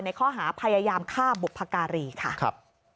ในข้อหาพยายามฆ่าบุพการีค่ะ